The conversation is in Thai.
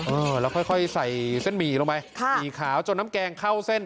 เออแล้วค่อยใส่เส้นหมี่ลงไปค่ะหมี่ขาวจนน้ำแกงเข้าเส้น